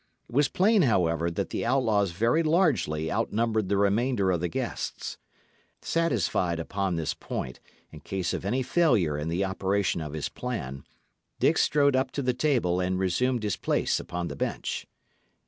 It was plain, however, that the outlaws very largely outnumbered the remainder of the guests. Satisfied upon this point, in case of any failure in the operation of his plan, Dick strode up to the table and resumed his place upon the bench.